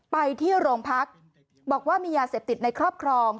ไปที่โรงพักบอกว่ามียาเสพติดในครอบครอง